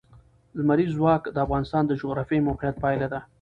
لمریز ځواک د افغانستان د جغرافیایي موقیعت پایله ده.